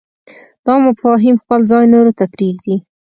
دا مفاهیم خپل ځای نورو ته پرېږدي.